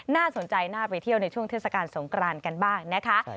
น่าสนใจน่าไปเที่ยวในช่วงเทศกาลสงกรานกันบ้างนะคะ